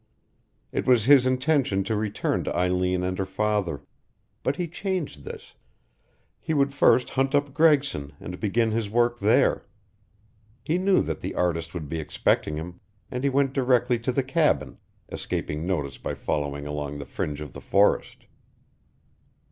It was his intention to return to Eileen and her father. But he changed this. He would first hunt up Gregson and begin his work there. He knew that the artist would be expecting him, and he went directly to the cabin, escaping notice by following along the fringe of the forest.